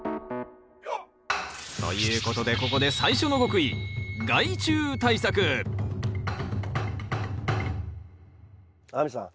ということでここで最初の極意亜美さん